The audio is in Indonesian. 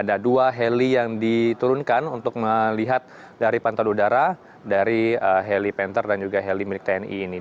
ada dua heli yang diturunkan untuk melihat dari pantauan udara dari heli panther dan juga heli milik tni ini